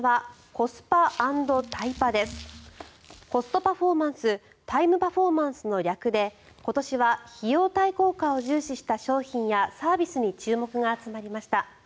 コストパフォーマンスタイムパフォーマンスの略で今年は費用対効果を重視した商品やサービスに注目が集まりました。